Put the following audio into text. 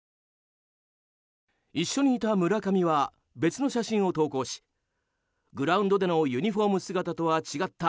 一緒にいた村上は別の写真を投稿しグラウンドでのユニホーム姿とは違った